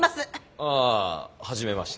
ああはじめまして。